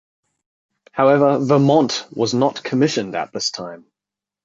However "Vermont" was not commissioned at this time.